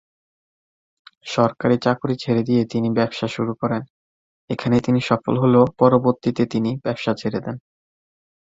সরকারী চাকুরী ছেড়ে দিয়ে তিনি ব্যবসা শুরু করেন, এখানে তিনি সফল হলেও পরবর্তীতে তিনি ব্যবসা ছেড়ে দেন।